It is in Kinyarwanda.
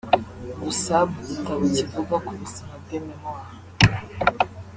Gusa mu gitabo kivuga ku buzima bwe (memoir)